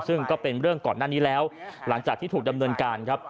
ซึ่งก็เป็นเรื่องก่อนหน้านี้แล้วหลังจากที่ถูกดำเนินการครับ